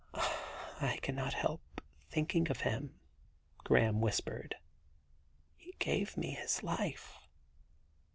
' I cannot help thinking of him,' Graham whispered. * He gave me his life.'